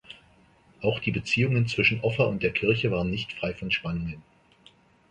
Auch die Beziehungen zwischen Offa und der Kirche waren nicht frei von Spannungen.